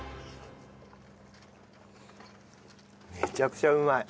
めちゃくちゃうまい。